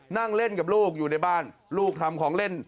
นั่งเล่นกับลูกอยู่ในบ้านลูกทำของเล่น